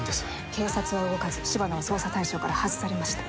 警察は動かず、柴野は捜査対象から外されました。